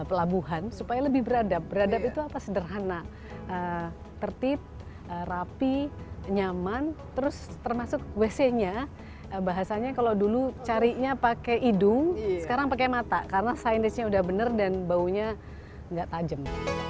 pelabuhan supaya lebih beradab beradab itu apa sederhana tertib rapi nyaman terus termasuk wc nya bahasanya kalau dulu carinya pakai hidung sekarang pakai mata karena signage nya udah benar dan baunya nggak tajam